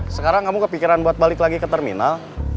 sekarang kamu kepikiran buat balik lagi ke terminal